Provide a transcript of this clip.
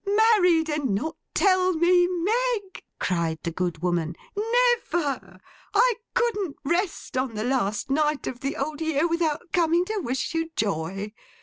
'Married, and not tell me, Meg!' cried the good woman. 'Never! I couldn't rest on the last night of the Old Year without coming to wish you joy.